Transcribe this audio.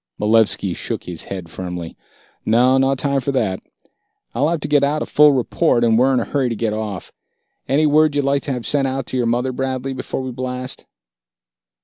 Malevski shook his head firmly. "No, no time for that. I'll have to get out a full report, and we're in a hurry to get off. Any word you'd like to have sent out to your mother, Bradley, before we blast?"